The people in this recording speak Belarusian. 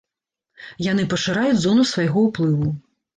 Яны пашыраюць зону свайго ўплыву.